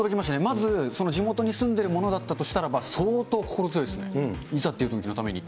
まず、地元に住んでる者だったとしたら、相当心強いですね、いざっていうときのために。